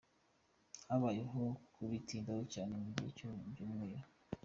Habayeho kubitindaho cyane mu gihe cy’icyumweru.